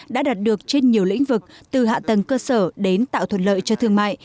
đã đạt được trên nhiều lĩnh vực từ hạ tầng cơ sở đến tạo thuận lợi cho thương mại